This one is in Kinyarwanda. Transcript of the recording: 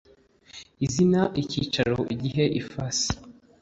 izina icyicaro igihe ifasi